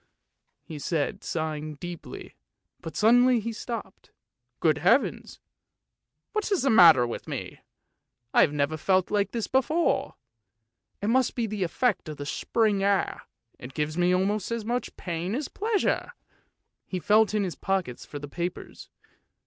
he said, sigh ing deeply; but suddenly he stopped. " Good Heavens ! what is the matter with me? I have never felt like this before! It must be the effect of the spring air, it gives me almost as much pain as pleasure! " He felt in his pockets for the papers.